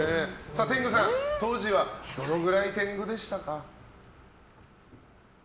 天狗さん当時はどのくらい天狗でしたか？